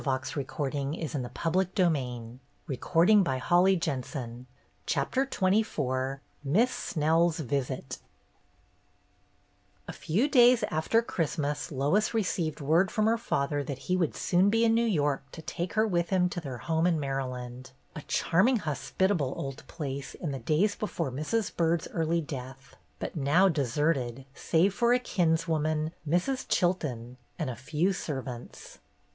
And I'll bring an owl I have, to put on the tree to complete her Minerva's outfit." XXIV MISS snell's visit FEW days after Christmas Lois re ceived word from her father that he would soon be in New York to take her with him to their home in Maryland, a charming, hospitable old place in the days before Mrs. Byrd's early death, but now de serted save for a kinswoman, Mrs. Chilton, and a few servants.